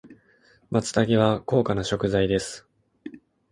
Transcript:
松茸は高価な食材です。